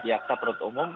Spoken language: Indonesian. jaksa perut umum